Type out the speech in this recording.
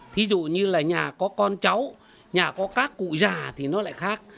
thí dụ như là nhà có con cháu nhà có các cụ già thì nó lại khác